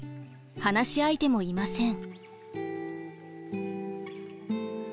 話し相手もいません。